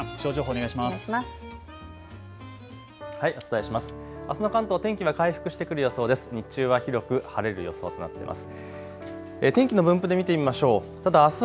あすは関東、天気は回復してくる予想です。